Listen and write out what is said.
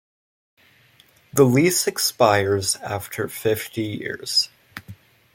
The lease expires after fifty years.